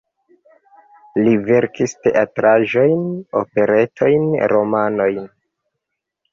Li verkis teatraĵojn, operetojn, romanojn.